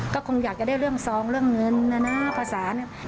ก็คงอยากจะได้เรื่องซองเรื่องเงินนะนะภาษาเนี่ย